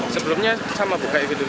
sebelumnya sama bukanya gitu